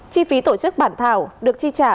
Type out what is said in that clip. chi phí tổ chức bản thảo được chi trả